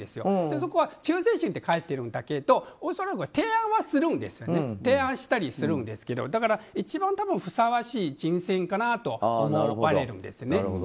そこは忠誠心って書いてるけどおそらく提案はするんですけどだから一番ふさわしい人選かなと思われるんですね。